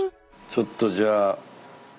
ちょっとじゃあ。